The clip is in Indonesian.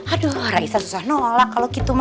aduh raisa susah nolak kalau gitu